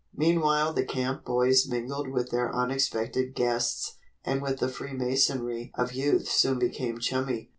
Meanwhile the camp boys mingled with their unexpected guests and with the freemasonry of youth soon became chummy.